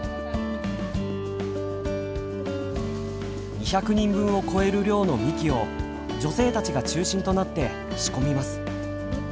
２００人分を超える量のみきを女性たちが中心となって仕込みます。